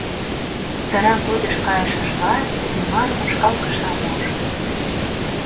Сырагудыш кайышыжла Иллимар ушкал кышам ужо.